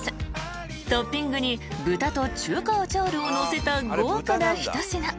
［トッピングに豚と中華アチャールをのせた］